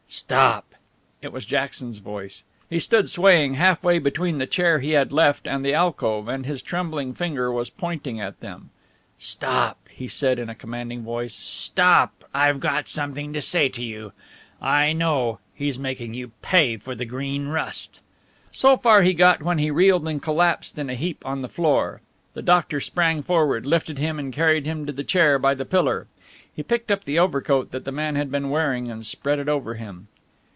"Stop!" it was Jackson's voice. He stood swaying half way between the chair he had left and the alcove, and his trembling finger was pointing at them. "Stop!" he said in a commanding voice. "Stop! I've got something to say to you. I know ... he's making you pay for the Green Rust...." So far he got when he reeled and collapsed in a heap on the floor. The doctor sprang forward, lifted him and carried him to the chair by the pillar. He picked up the overcoat that the man had been wearing and spread it over him.